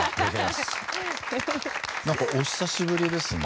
なんかお久しぶりですね。